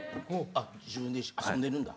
あ自分で遊んでるんだ。